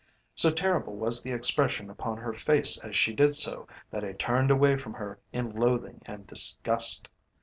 So terrible was the expression upon her face as she did so, that I turned away from her in loathing and disgust.